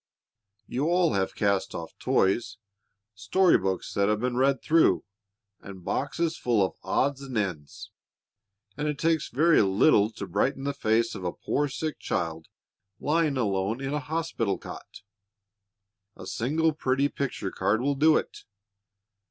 You all have cast off toys, story books that have been read through, and boxes full of odds and ends, and it takes very little to brighten the face of a poor sick child lying alone in a hospital cot. A single pretty picture card will do it.